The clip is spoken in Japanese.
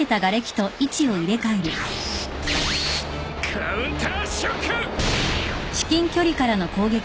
カウンターショック！